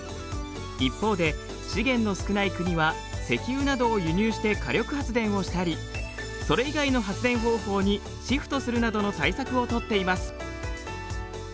一方で資源の少ない国は石油などを輸入して火力発電をしたりそれ以外の発電方法にシフトするなどの対策を取っています。